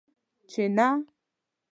چې نه!